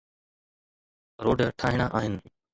Road ٺاهڻا آهن.